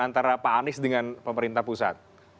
antara pak anies dengan pemerintah pusat